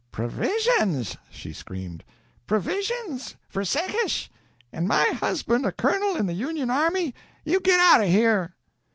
"Provisions!" she screamed. "Provisions for Secesh, and my husband a colonel in the Union Army. You get out of here!"